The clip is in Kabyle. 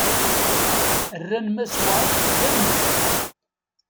Rran Mass White d anemhal.